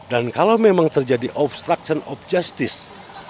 dan kalau memang terjadi obstruction of justice